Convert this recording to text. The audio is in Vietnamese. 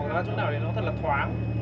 thế cháu nói là nó thật là thoáng